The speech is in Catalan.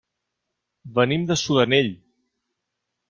Venim de Sudanell.